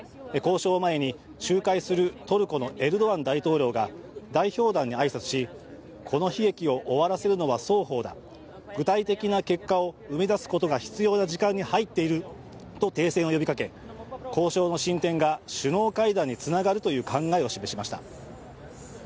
交渉を前に仲介するトルコのエルドアン大統領が代表団に挨拶し、この悲劇を終わらせるのは双方だ、具体的な結果を生み出すことが必要な時間に入っていると停戦を呼びかけ交渉の進展が首脳会談につながるという考えを示しました。